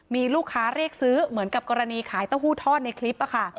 มีลูกค้าเรียกซื้อเหมือนกับกรณีขายเต้าหู้ทอดในคลิปค่ะ